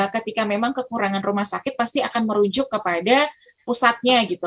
ketika memang kekurangan rumah sakit pasti akan merujuk kepada pusatnya gitu